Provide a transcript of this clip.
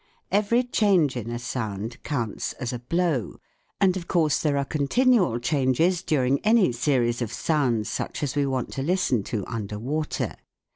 Every change in a sound counts as a blow, and of course there are continual changes during any series of sounds such as we want to listen to under water.